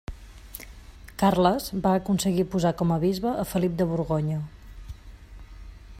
Carles va aconseguir posar com a bisbe a Felip de Borgonya.